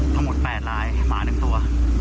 ทั้งหมด๘ลายหมา๑ตัว